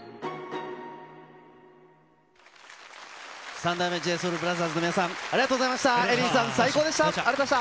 三代目ＪＳＯＵＬＢＲＯＴＨＥＲＳの皆さん、ありがとうございました。